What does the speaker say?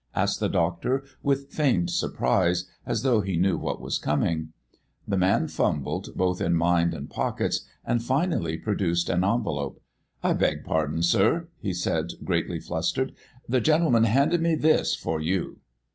asked the doctor, with feigned surprise, as though he knew what was coming. The man fumbled, both in mind and pockets, and finally produced an envelope. "I beg pardon, sir," he said, greatly flustered; "the gentleman handed me this for you."